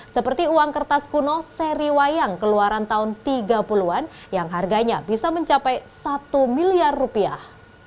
seperti uang kertas kuno seri wayang keluaran tahun tiga puluh an yang harganya bisa mencapai satu miliar rupiah